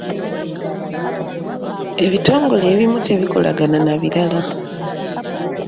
Ebitongole ebimu tebikolagana na birala.